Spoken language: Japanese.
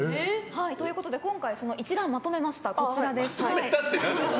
今回、その一覧をまとめました。